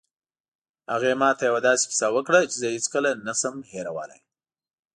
هغې ما ته یوه داسې کیسه وکړه چې زه یې هېڅکله نه شم هیرولی